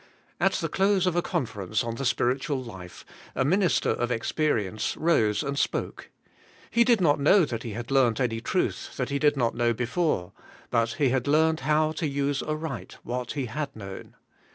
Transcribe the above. At the close of a conference on the spiritual life, a min ister of experience rose and spoke. He did not know that he had learnt any truth he did not know before, but he had learnt how to use aright what he had known.